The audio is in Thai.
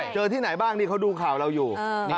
เจอที่ไหนบ้างเขาดูข่าวเราอยู่